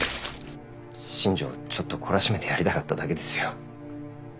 新庄をちょっと懲らしめてやりたかっただけですよ。